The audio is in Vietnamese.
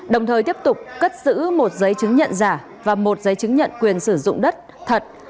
đồng thời tiếp tục cất giữ một giấy chứng nhận giả và một giấy chứng nhận quyền sử dụng đất thật